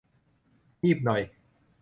งีบหน่อย